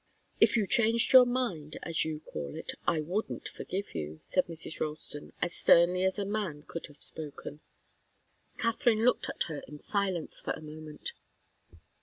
"If you changed your mind, as you call it, I wouldn't forgive you," said Mrs. Ralston, as sternly as a man could have spoken. Katharine looked at her in silence for a moment.